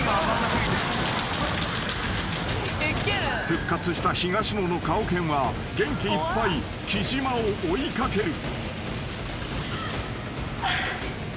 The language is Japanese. ［復活した東野の顔犬は元気いっぱい貴島を追い掛ける］